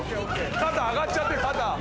「肩上がっちゃってる肩」